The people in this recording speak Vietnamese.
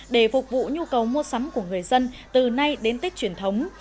để phục vụ nhu cầu mua sắm của người dân từ nay đến tết truyền thống